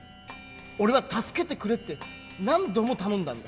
俺は助けてくれって何度も頼んだんだ。